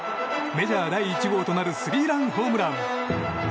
メジャー第１号となるスリーランホームラン。